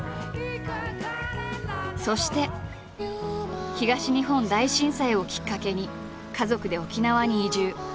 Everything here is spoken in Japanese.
そして東日本大震災をきっかけに家族で沖縄に移住。